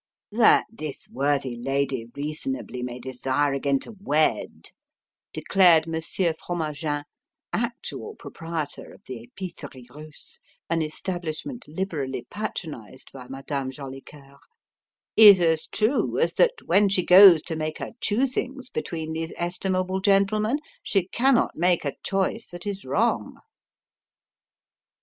"That this worthy lady reasonably may desire again to wed," declared Monsieur Fromagin, actual proprietor of the Épicerie Russe an establishment liberally patronized by Madame Jolicoeur "is as true as that when she goes to make her choosings between these estimable gentlemen she cannot make a choice that is wrong."